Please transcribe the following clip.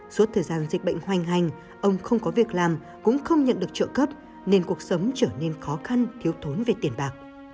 suốt thời gian dịch bệnh hoành hành ông không có việc làm cũng không nhận được trợ cấp nên cuộc sống trở nên khó khăn thiếu thốn về tiền bạc